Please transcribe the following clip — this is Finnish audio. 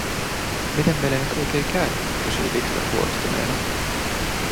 "Miten meille nyt oikei käy?", kysyi Victor huolestuneena.